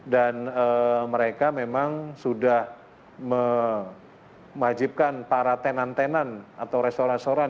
dan mereka memang sudah mewajibkan para tenan tenan atau restoran restoran